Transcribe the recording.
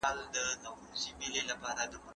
خپل ارزښت مه کموه.